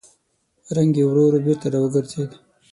رنګ يې ورو ورو بېرته راوګرځېد.